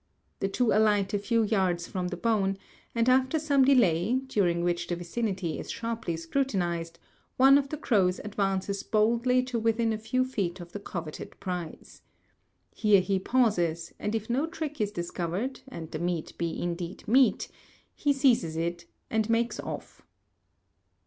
The two alight a few yards from the bone, and after some delay, during which the vicinity is sharply scrutinized, one of the crows advances boldly to within a few feet of the coveted prize. Here he pauses, and if no trick is discovered, and the meat be indeed meat, he seizes it and makes off.